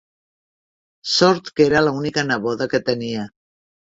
Sort que era l’única neboda que tenia.